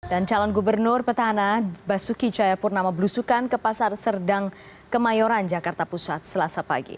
dan calon gubernur petahana basuki cayapur nama berusukan ke pasar serdang kemayoran jakarta pusat selasa pagi